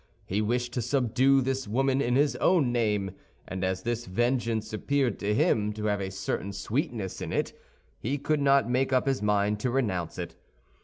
He wished to subdue this woman in his own name; and as this vengeance appeared to him to have a certain sweetness in it, he could not make up his mind to renounce it.